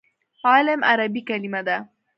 علم عربي کلمه ده.